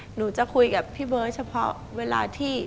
หนูจะคุยกับพี่เบิร์ตเฉพาะเวลาที่